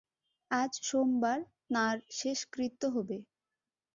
আজ সোমবার তাঁর শেষকৃত্য হবে।